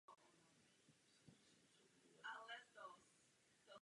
Po skončení třicetileté války byl statek barokně přestavěn a ve vsi také obnovili pivovar.